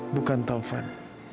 bukan tau fad